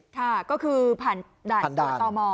ค่ะก็คือผ่านด่านตรวจต่อมอ